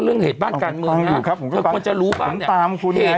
เรื่องเหตุบ้านการเมืองนะต้องรู้ครับมันจะรู้บ้างผมตามคุณไง